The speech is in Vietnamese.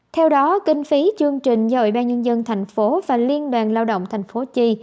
theo đó kinh phí chương trình do ủy ban nhân dân tp và liên đoàn lao động tp chi